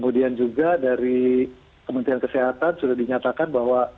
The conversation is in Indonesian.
kemudian juga dari kementerian kesehatan kota bogor kemudian juga dari kementerian kesehatan kota bogor